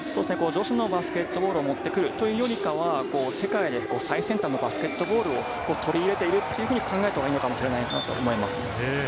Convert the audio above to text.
女子のバスケットボールを持ってくるというよりは、世界で最先端のバスケットボールを取り入れているというふうに考えたほうがいいのかもしれないと思います。